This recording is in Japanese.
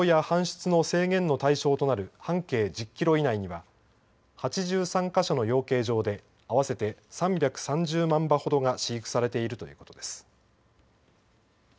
県によりますと移動や搬出の制限の対象となる半径１０キロ以内には８３か所の養鶏場で合わせて３３０万羽ほどが飼育されているということです。